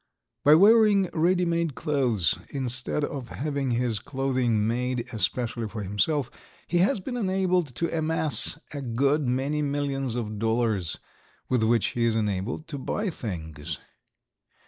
By wearing ready made clothes, instead of having his clothing made especially for himself, he has been enabled to amass a good many millions of dollars with which he is enabled to buy things.